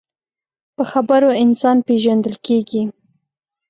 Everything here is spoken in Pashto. په خبرو انسان پیژندل کېږي